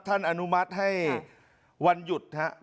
ท่านอนุมัติให้วันหยุดนะครับ